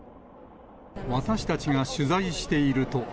私たちが取材していると。